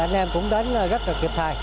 thì anh em cũng đến rất là kịp thài